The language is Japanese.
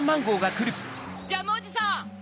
ジャムおじさん！